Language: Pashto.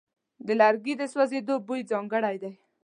د لرګي د سوځېدو بوی ځانګړی دی.